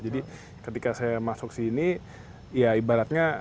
jadi ketika saya masuk sini ya ibaratnya